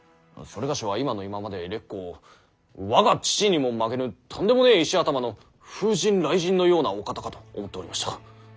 某は今の今まで烈公を我が父にも負けぬとんでもねぇ石頭の風神雷神のようなお方かと思っておりました。